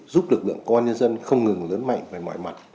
giúp lực lượng công an nhân dân không ngừng lớn mạnh và ngoại mặt